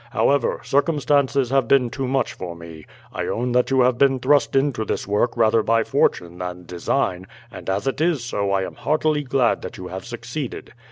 However, circumstances have been too much for me. I own that you have been thrust into this work rather by fortune than design; and as it is so I am heartily glad that you have succeeded.